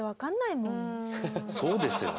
そうですよね。